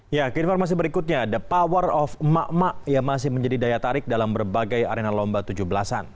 ya ke informasi berikutnya the power of emak emak yang masih menjadi daya tarik dalam berbagai arena lomba tujuh belas an